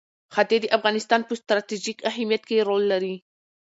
ښتې د افغانستان په ستراتیژیک اهمیت کې رول لري.